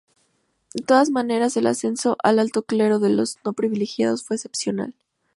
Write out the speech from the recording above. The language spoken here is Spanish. De todas maneras, el ascenso al alto clero de los no privilegiados fue excepcional.